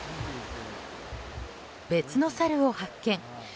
別のサルを発見。